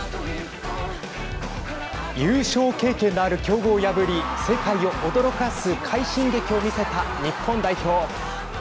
優勝経験のある強豪を破り世界を驚かす快進撃を見せた日本代表。